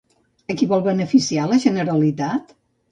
A qui vol beneficiar la Generalitat?